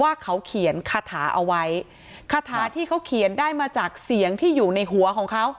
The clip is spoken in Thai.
ว่าเขาเขียนคาถาเอาไว้คาถาที่เขาเขียนได้มาจากเสียงที่อยู่ในหัวของเขา